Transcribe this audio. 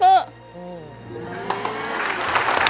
ตะโกนดังหน่อยบอก